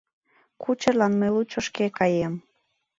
Кучерлан мый лучо шке каем.